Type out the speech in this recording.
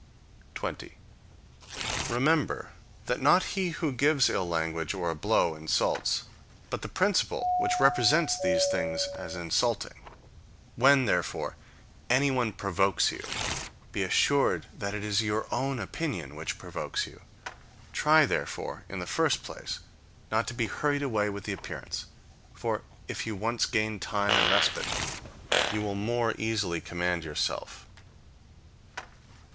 20. Remember, that not he who gives ill language or a blow insults, but the principle which represents these things as insulting. When, therefore, anyone provokes you, be assured that it is your own opinion which provokes you. Try, therefore, in the first place, not to be hurried away with the appearance. For if you once gain time and respite, you will more easily command yourself.